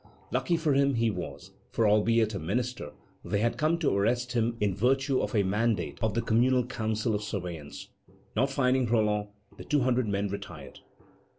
Lucky for him he was; for albeit a minister, they had come to arrest him in virtue of a mandate of the Communal Council of Surveillance. Not finding Roland, the two hundred men retired.